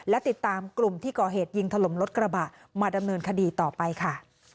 และติดตามกลุ่มที่ก่อเหตุยิงถล่มรถกระบะมาดำเนินคดีต่อไปค่ะ